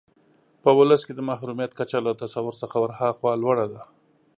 په ولس کې د محرومیت کچه له تصور څخه ورهاخوا لوړه ده.